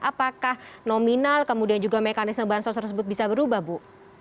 apakah nominal kemudian juga mekanisme bansos tersebut bisa berubah bu